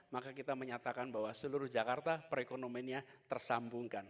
maka kita menyatakan bahwa seluruh jakarta perekonomiannya tersambungkan